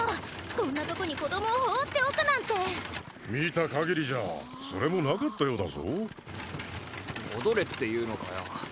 こんなとこに子供を放っておくなんて見た限りじゃ連れもなかったようだぞ戻れっていうのかよ